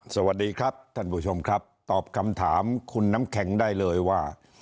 สวัสดีครับท่านผู้ชมครับตอบคำถามคุณน้ำแข็งได้เลยว่า